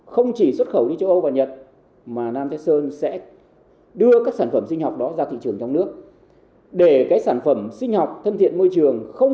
không phải cho đối tượng khách hàng mình cho các nước đang mua hàng